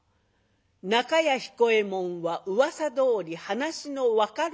中屋彦右衛門はうわさどおり話の分かる人でした。